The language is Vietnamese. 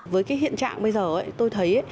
với cái hiện trạng bây giờ tôi thấy